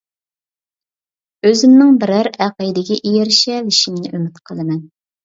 ئۆزۈمنىڭ بېرەر ئەقىدىگە ئېرىشەلىشىمنى ئۈمىد قىلىمەن.